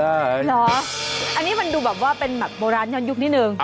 อันนี้มันดูแบบว่าเป็นแบบโบราณยุคนิยวนิดหนึ่ง